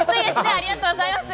ありがとうございます！